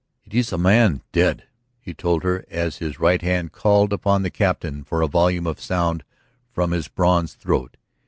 "It is a man dead," he told her as his right hand called upon the Captain for a volume of sound from his bronze throat.